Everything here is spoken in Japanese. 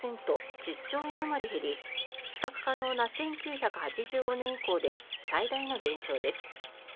１０兆円あまり減り比較可能な１９８５年以降で最大の減少です。